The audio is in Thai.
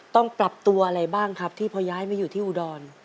ต้องปรับตัวอะไรบ้างครับที่พอย้ายมาอยู่ที่อุดร